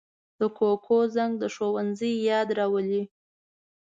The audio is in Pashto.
د کوکو زنګ د ښوونځي یاد راولي